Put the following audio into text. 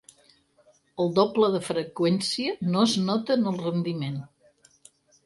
El doble de freqüència no es nota en el rendiment.